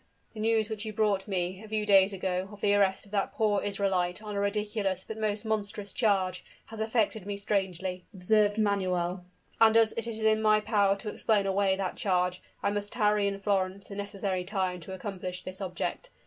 "The news which you brought me, a few days ago, of the arrest of that poor Israelite on a ridiculous but most monstrous charge, has affected me strangely," observed Manuel; "and as it is in my power to explain away that charge, I must tarry in Florence the necessary time to accomplish this object.